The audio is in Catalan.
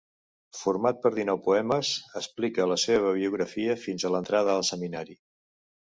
Format per dinou poemes, explica la seva biografia fins a l'entrada al seminari.